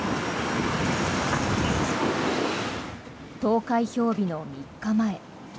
投開票日の３日前。